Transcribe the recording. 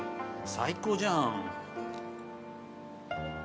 最高じゃん。